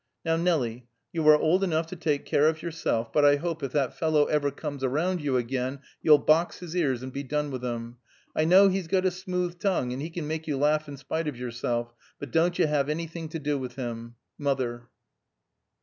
Now Nelie, you are old enough to take care of yourself, but I hope if that fellow ever comes around you again, you'll box his ears and be done with him. I know hes got a smooth tongue, and he can make you laugh in spite of yourselfe, but don't you have anything to do with him. "MOTHER.